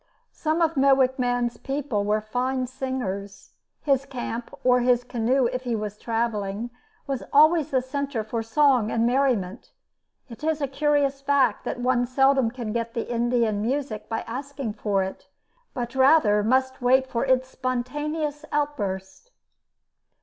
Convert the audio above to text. Some of Mowich Man's people were fine singers. His camp, or his canoe if he was traveling, was always the center for song and merriment. It is a curious fact that one seldom can get the Indian music by asking for it, but rather must wait for its spontaneous outburst.